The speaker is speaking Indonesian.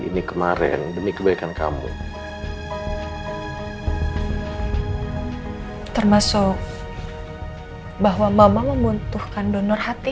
ini kemarin demi kebaikan kamu termasuk bahwa mama membutuhkan donor hati